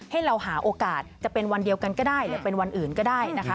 ให้เราหาโอกาสจะเป็นวันเดียวกันก็ได้หรือเป็นวันอื่นก็ได้นะคะ